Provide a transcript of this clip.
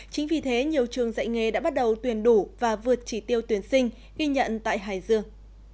chính vì thế nhiều trường dạy nghề đã bắt đầu tuyển đủ và vượt chỉ tiêu tuyển sinh ghi nhận tại hải dương